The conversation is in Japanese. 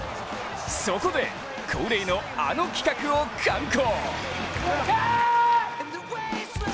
そこで、恒例のあの企画を敢行。